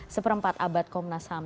seperempat abad komnas ham